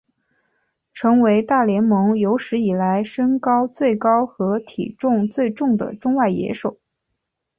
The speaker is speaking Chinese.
成为大联盟有史以来身高最高和体重最重的中外野手。